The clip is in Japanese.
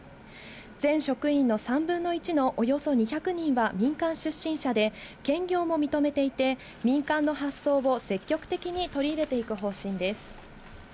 全職員の３分の１のおよそ２００人は民間出身者で、兼業も認めていて、民間の発想を積極的に取り入れていく方針です。